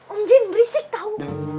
om jun berisik tau